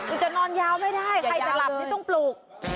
จะนอนยาวไม่ได้ใครจะหลับนี่ต้องปลูก